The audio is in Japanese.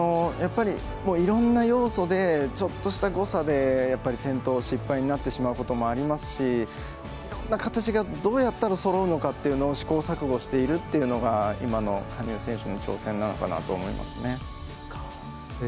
いろんな要素でちょっとした誤差でやっぱり転倒、失敗になってしまうこともありますしどうやったらそろうのかっていうのを試行錯誤しているというのが今の羽生選手の挑戦なのかなと思いますね。